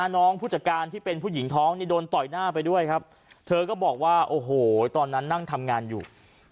ผู้จัดการที่เป็นผู้หญิงท้องนี่โดนต่อยหน้าไปด้วยครับเธอก็บอกว่าโอ้โหตอนนั้นนั่งทำงานอยู่